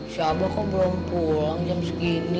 si abah kok belum pulang jam segini